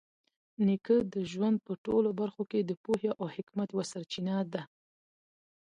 نیکه د ژوند په ټولو برخو کې د پوهې او حکمت یوه سرچینه ده.